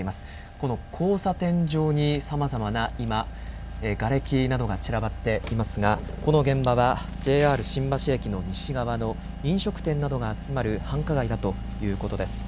この交差点上に、さまざまな今がれきなどが散らばっていますがこの現場はＪＲ新橋駅の西側の飲食店などが集まる繁華街だということです。